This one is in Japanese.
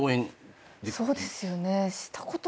そうですよね。